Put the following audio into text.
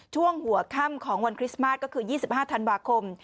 ช่วงหัวค่ำของวันคริสต์มาสก็คือ๒๕ธันวาคม